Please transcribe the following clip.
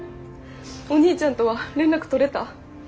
お兄ちゃんとは連絡取れた？